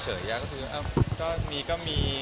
จะหามีก็มี